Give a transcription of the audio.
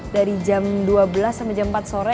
dari jam dua belas sampai jam empat sore